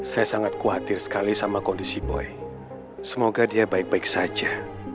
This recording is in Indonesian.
saya sangat khawatir sekali sama kondisi boy semoga dia baik baik saja